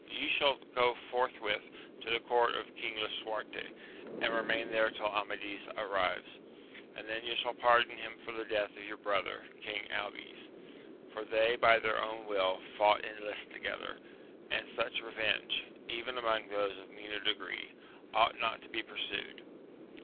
You shall go forthwith to the court of King Lisuarte, and remain there till Amadis arrives, and then you shall pardon him for the death of your brother, ELing Abies ; for they by their own will fought in lists together, and such revenge, even among those of meaner degree, ought not to be pur sued.